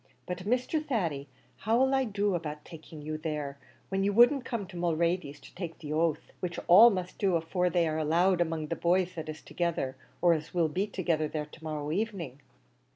But, Mr. Thady, how'll I do about taking you there, when you wouldn't come to Mulready's to take the oath, which all must do afore they'll be allowed among the boys that is together, or as will be together there to morrow evening?"